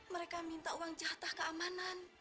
mereka minta uang jatah keamanan